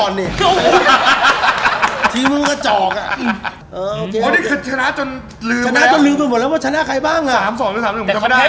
นี่คือผมเก็งใจแล้วนะเรายิง๗ลูกก็เราเก็งใจ